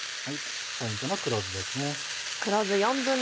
ポイントの黒酢ですね。